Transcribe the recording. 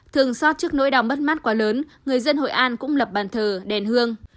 thường soát trước nỗi đau mất mắt quá lớn người dân hội an cũng lập bàn thờ đèn hương